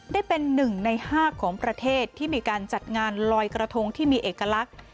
ได้เป็น๑ใน๕ของประเทศที่มีการจัดงานลอยกระทงที่มีเอกลักษณ์